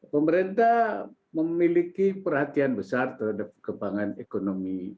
pemerintah memiliki perhatian besar terhadap kebangan ekonomi